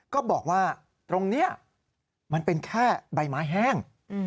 ก็บอกว่าตรงนี้มันเป็นแค่ใบไม้แห้ง